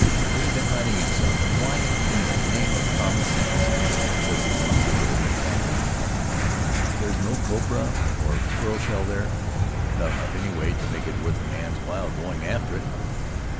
Where's he been hiding himself? And why in the name of common sense does he want to go to Tanao? There's no copra or A Leisurely Approach pearl shell there — not enough, anyway, to make it worth a man's while going after it."